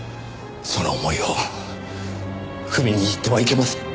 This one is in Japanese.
その思いを踏みにじってはいけません。